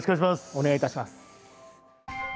お願いいたします。